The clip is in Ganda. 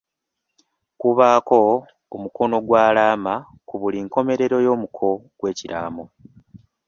Kubaako omukono gw'alaama ku buli nkomerero y'omuko gw'ekiraamo.